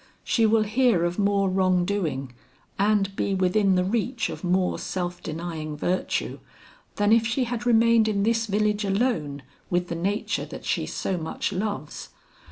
She will hear of more wrong doing, and be within the reach of more self denying virtue, than if she had remained in this village alone with the nature that she so much loves.